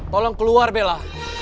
tolong keluar bella